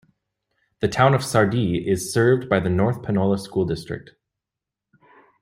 The Town of Sardis is served by the North Panola School District.